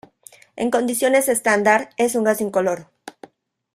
En condiciones estándar es un gas incoloro.